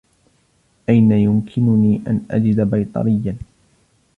أين يمكنني أن أجد بيطريّا ؟